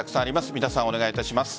三田さん、お願いします。